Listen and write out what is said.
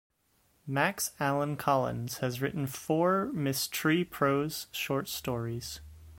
Max Allan Collins has written four Ms. Tree prose short stories.